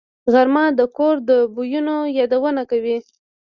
غرمه د کور د بویونو یادونه کوي